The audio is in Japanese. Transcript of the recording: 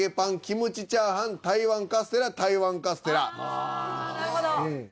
ああなるほど。